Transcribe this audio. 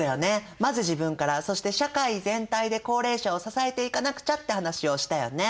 まず自分からそして社会全体で高齢者を支えていかなくちゃって話をしたよね。